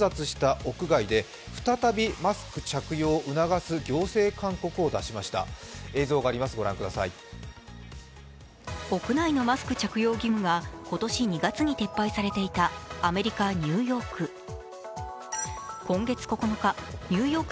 屋内のマスク着用義務が今年２月に撤廃されていたアメリカ・ニューヨーク。